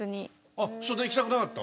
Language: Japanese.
あっそんな行きたくなかった？